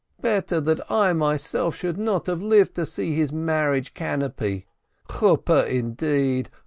Better that I myself should not have lived to see his marriage canppy. Canopy, indeed